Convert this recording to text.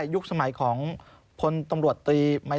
รู้ผ่านเพจค่ะ